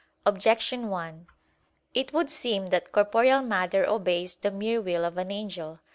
Objection 1: It would seem that corporeal matter obeys the mere will of an angel.